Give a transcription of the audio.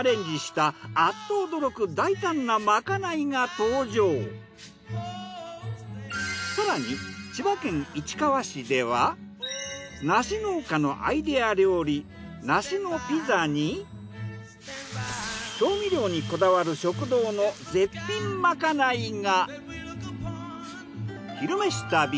更に更に千葉県市川市では梨農家のアイデア料理梨のピザに調味料にこだわる食堂の絶品まかないが。